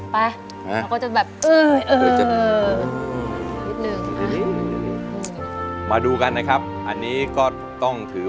เราก็จะแบบเออนิดนึงมาดูกันนะครับอันนี้ก็ต้องถือ